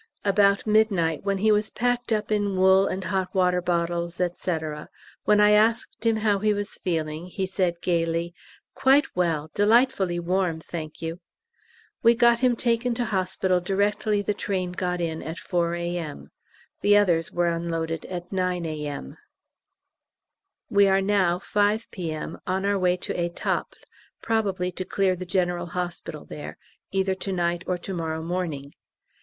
About midnight, when he was packed up in wool and hot water bottles, &c., when I asked him how he was feeling, he said gaily, "Quite well, delightfully warm, thank you!" We got him taken to hospital directly the train got in at 4 A.M. The others were unloaded at 9 A.M. We are now 5 P.M. on our way to Étaples, probably to clear the G.H. there, either to night or to morrow morning.